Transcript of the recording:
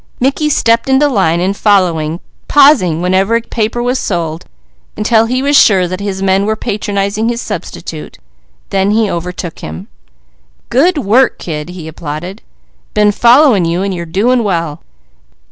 Mickey stepped into line and followed, pausing whenever a paper was sold, until he was sure that his men were patronizing his substitute, then he overtook him. "Good work, kid!" he applauded. "Been following you and you're doing well.